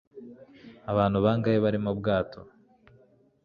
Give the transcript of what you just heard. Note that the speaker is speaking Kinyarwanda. abantu bangahe bari mu bwato